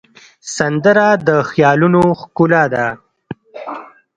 سندره د خیالونو ښکلا ده